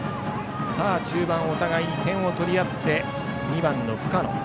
さあ中盤お互いに点を取り合って２番、深野。